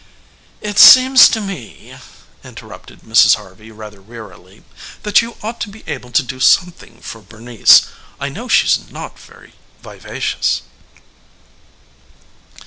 "It seems to me," interrupted Mrs. Harvey rather wearily, "that you ought to be able to do something for Bernice. I know she's not very vivacious."